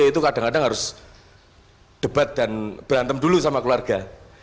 itu kadang kadang harus debat dan berantem dulu sama keluarga